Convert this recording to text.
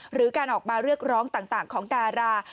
หรือการออกมาเรียกร้องต่างของดารา